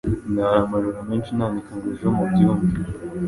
Ndara amajoro menshi nandika ngo ejo mubyumve